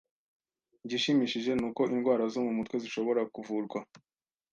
Igishimishije ni uko indwara zo mu mutwe zishobora kuvurwa.